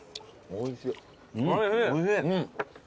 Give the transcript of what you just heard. おいしい。